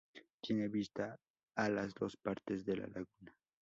Tiene vista a las dos partes de la laguna.